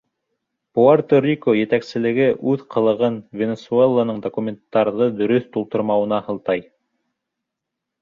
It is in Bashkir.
Пуэрто-Рико етәкселеге үҙ ҡылығын Венесуэланың документтарҙы дөрөҫ тултырмауына һылтай.